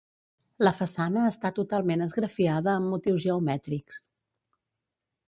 La façana està totalment esgrafiada amb motius geomètrics.